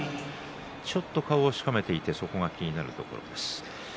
ちょっと顔をしかめていてそこは気になるところです。